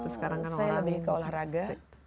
saya lebih ke olahraga